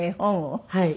はい。